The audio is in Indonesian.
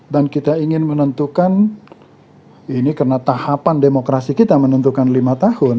dan kita ingin menentukan ini karena tahapan demokrasi kita menentukan lima tahun